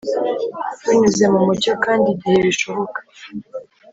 Bunyuze mu mucyo kandi igihe bishoboka